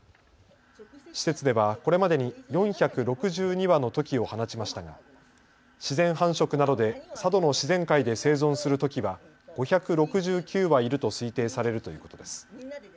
施設ではこれまでに４６２羽のトキを放ちましたが自然繁殖などで佐渡の自然界で生存するトキは５６９羽いると推定されるということです。